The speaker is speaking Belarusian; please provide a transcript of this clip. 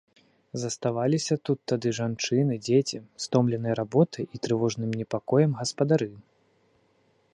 Заставаліся тут тады жанчыны, дзеці, стомленыя работай і трывожным непакоем гаспадары.